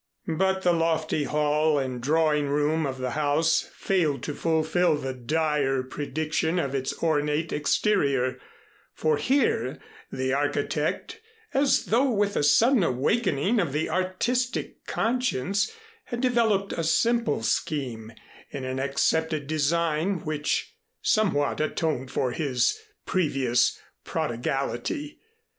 But the lofty hall and drawing room of the house failed to fulfill the dire prediction of its ornate exterior, for here the architect, as though with a sudden awakening of the artistic conscience, had developed a simple scheme in an accepted design which somewhat atoned for his previous prodigality.